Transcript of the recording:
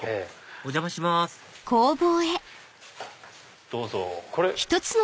お邪魔しますどうぞ。